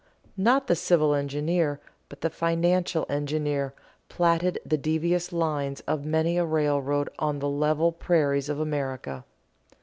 Not the civil engineer, but the financial engineer platted the devious lines of many a railroad on the level prairies of America.